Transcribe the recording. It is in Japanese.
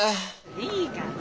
いいから。